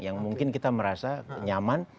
yang mungkin kita merasa nyaman